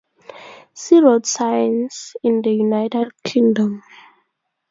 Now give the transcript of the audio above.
See Road signs in the United Kingdom.